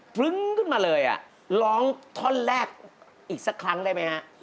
ฟลึ้งขึ้นมาเลยร้องท่อนแรกอีกสักครั้งได้ไหมฮะ